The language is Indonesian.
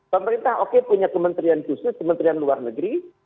pemerintah oke punya kementerian khusus kementerian luar negeri